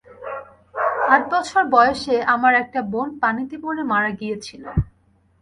আট বছর বয়সে আমার একটা বোন পানিতে পড়ে মারা গিয়েছিল।